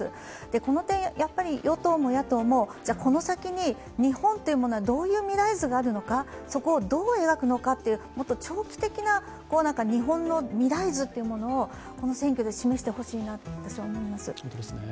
この点、与党も野党もこの先に日本というものはどういう未来図があるのかそこをどう描くのかというもっと長期的な日本の未来図というものをこの選挙で示してほしいなと私は思います。